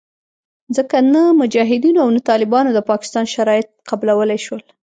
ځکه نه مجاهدینو او نه طالبانو د پاکستان شرایط قبلولې شول